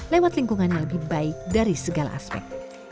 lewat lingkungannya lebih baik dari segala aspek